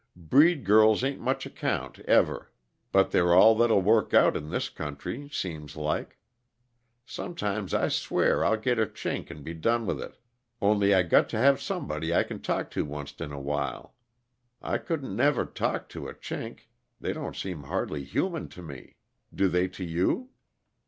Breed girls ain't much account ever; but they're all that'll work out, in this country, seems like. Sometimes I swear I'll git a Chink and be done with it only I got to have somebody I can talk to oncet in a while. I couldn't never talk to a Chink they don't seem hardly human to me. Do they to you?